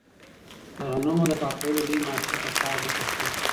د غنمو د پاکولو لوی ماشین په کار بوخت و.